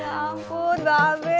ya ampun bebe